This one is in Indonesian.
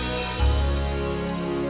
pangeran cinta lah